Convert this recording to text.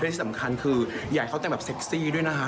ที่สำคัญคืออยากให้เขาแต่งแบบเซ็กซี่ด้วยนะฮะ